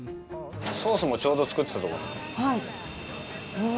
ソースもちょうど作ってたとこなの。